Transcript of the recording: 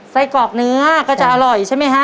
ไส้กรอกเนื้อก็จะอร่อยใช่ไหมฮะ